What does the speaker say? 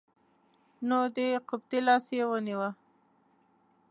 نو د قبطي لاس یې ونیوه.